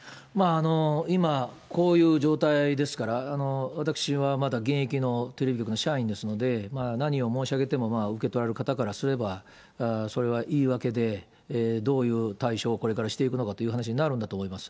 今、こういう状態ですから、私はまだ現役のテレビ局の社員ですので、何を申し上げても受け取られる方からすれば、それは言い訳で、どういう対処をこれからしていくのかという話になるんだと思います。